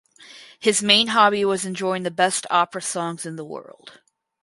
His main hobby was enjoying the best opera songs in the world.